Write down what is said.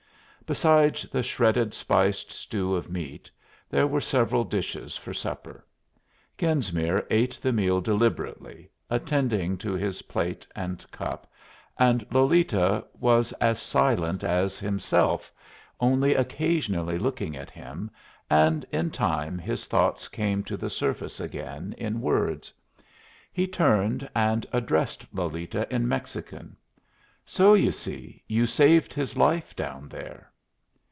Besides the shredded spiced stew of meat, there were several dishes for supper. Genesmere ate the meal deliberately, attending to his plate and cup, and Lolita was as silent as himself, only occasionally looking at him; and in time his thoughts came to the surface again in words. He turned and addressed Lolita in Mexican: "So, you see, you saved his life down there."